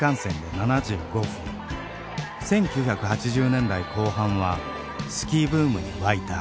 １９８０年代後半はスキーブームに沸いた。